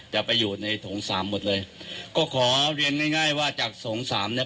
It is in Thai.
จะไปอยู่ในโถงสามหมดเลยก็ขอเรียนง่ายง่ายว่าจากโถงสามเนี้ย